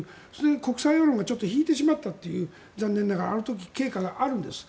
国際世論がそれで引いてしまったという残念ながらあの時、経過があるんです。